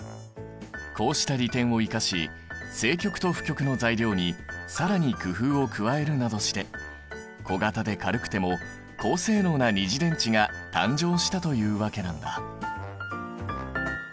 こうした利点を生かし正極と負極の材料に更に工夫を加えるなどして小型で軽くても高性能な二次電池が誕生したというわけなんだ。